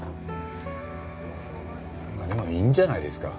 まあでもいいんじゃないですか？